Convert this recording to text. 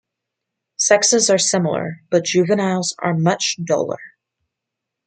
Sexes are similar, but juveniles are much duller.